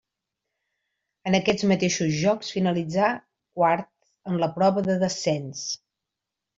En aquests mateixos Jocs finalitzà quart en la prova de descens.